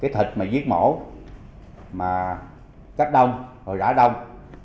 thịt giết mổ cấp đông rồi rã đông